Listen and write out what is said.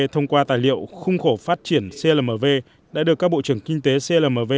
thông qua tài liệu khung khổ phát triển clmv đã được các bộ trưởng kinh tế clmv